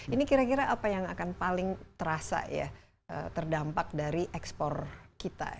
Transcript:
ini kira kira apa yang akan paling terasa ya terdampak dari ekspor kita